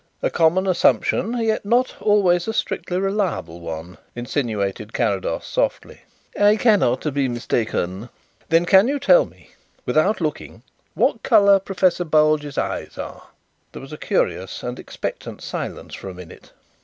"A common assumption, yet not always a strictly reliable one," insinuated Carrados softly. "I cannot be mistaken." "Then can you tell me, without looking, what colour Professor Bulge's eyes are?" There was a curious and expectant silence for a minute.